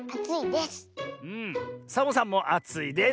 サボさんもあついです。